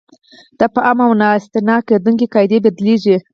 دا په عامې او نه استثنا کېدونکې قاعدې بدلیږي.